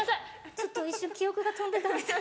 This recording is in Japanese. ちょっと一瞬記憶が飛んでたみたい。